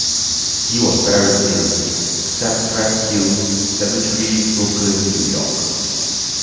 He is buried in Cypress Hills Cemetery, Brooklyn, New York.